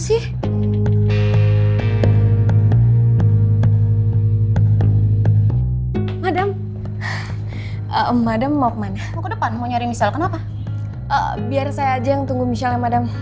insya allah madam